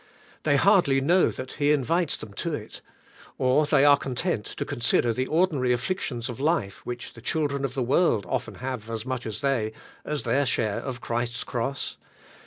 They hardly know that He invites them to it. Or they are con tent to consider the ordinary afflictions of life, which the children of the world often have as much as they, as their share of Christ's Cross.